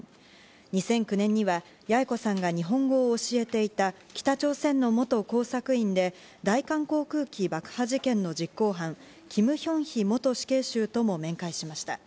２００９年には八重子さんが日本語を教えていた北朝鮮の元工作員で、大韓航空機爆破事件の実行犯、キム・ヒョンヒ元死刑囚とも面会しました。